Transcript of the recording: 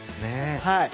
はい。